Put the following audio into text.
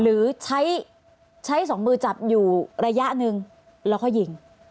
หรือใช้ใช้สองมือจับอยู่ระยะหนึ่งแล้วก็ยิง